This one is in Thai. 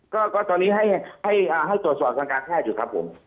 ก็ตอนนี้ให้ตรวจสอบทางการแพทย์อยู่ครับผม